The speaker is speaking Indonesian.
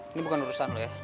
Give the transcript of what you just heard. ini bukan urusan ya